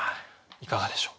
いかがでしょう？